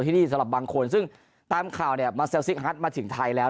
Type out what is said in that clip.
ที่นี่สำหรับบางคนซึ่งตามข่าวเนี่ยมาเซลซิกฮัทมาถึงไทยแล้ว